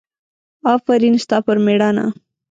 افرین ستا پر مېړانه!